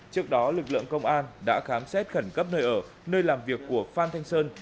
trước đó lực lượng công an đã khám xét khẩn cấp nơi ở nơi làm việc của phan thanh sơn